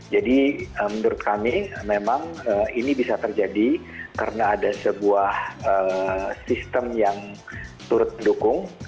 jadi menurut kami memang ini bisa terjadi karena ada sebuah sistem yang turut mendukung